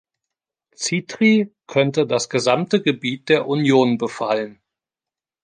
Citri könnte das gesamte Gebiet der Union befallen.